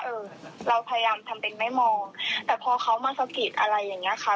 เออเราพยายามทำเป็นไม่มองแต่พอเขามาสะกิดอะไรอย่างเงี้ยค่ะ